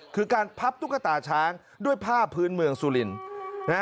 คือการพับตุ๊กตาช้างด้วยผ้าพื้นเมืองสุรินทร์นะฮะ